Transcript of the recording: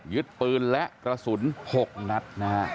ยึดปืนและกระสุน๖นัดนะฮะ